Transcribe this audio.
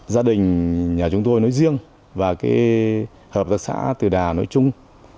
gia đình nhà chúng tôi nói riêng và hợp tác xã từ đà nói chung